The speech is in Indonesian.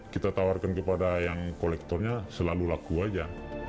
kita tawarkan kepada yang kolektornya selalu laku aja